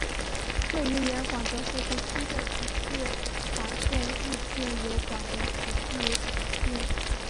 位于原广德湖湖区的集士港镇亦建有广德湖剧院。